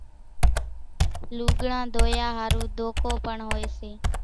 لُوڳڙان ڌويا ۿارُو ڌوڪو پڻ هوئيَ سي۔